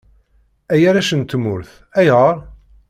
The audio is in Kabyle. Ay arrac n tmurt, ayɣer?